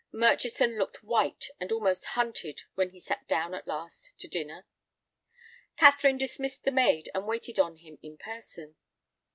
Murchison looked white and almost hunted when he sat down at last to dinner. Catherine dismissed the maid and waited on him in person.